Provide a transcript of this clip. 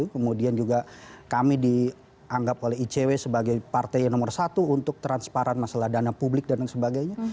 kemudian juga kami dianggap oleh icw sebagai partai yang nomor satu untuk transparan masalah dana publik dan sebagainya